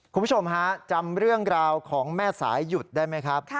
คุณผู้ชมฮะจำเรื่องราวของแม่สายหยุดได้ไหมครับ